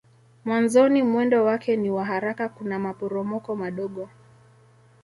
Mwanzoni mwendo wake ni wa haraka kuna maporomoko madogo.